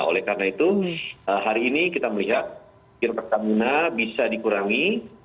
oleh karena itu hari ini kita melihat kir pertamina bisa dikurangi